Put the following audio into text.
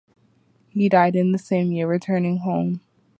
He died in the same year returning home.